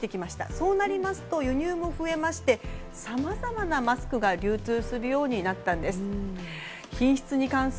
そうなりますと輸入も増えましてさまざまなマスクが流通するようになったんです。